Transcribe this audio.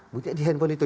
buktinya di handphone itu